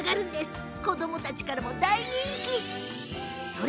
子どもたちからも大人気です。